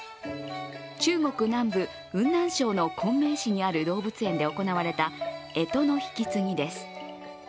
中国南部・雲南省の昆明市にある動物園で行われたえとの引き継ぎです。